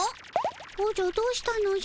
おじゃどうしたのじゃ？